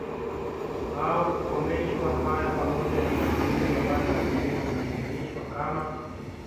au kukomeshwa Haya pamoja na matumizi mabaya ya vileo hujumuishwa kama